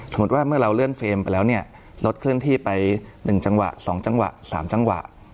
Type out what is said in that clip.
ว่าเมื่อเราเลื่อนเฟรมไปแล้วเนี่ยรถเคลื่อนที่ไป๑จังหวะ๒จังหวะ๓จังหวะ